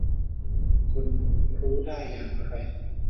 คุณรู้ได้อย่างไร